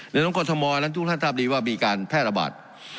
ในตรงกฎธมรณ์ทุกท่านทราบดีว่ามีการแพร่ระบาด